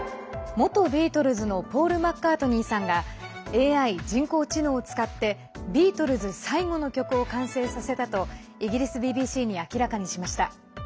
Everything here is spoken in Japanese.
元ビートルズのポール・マッカートニーさんがＡＩ＝人工知能を使ってビートルズ最後の曲を完成させたとイギリスＢＢＣに明らかにしました。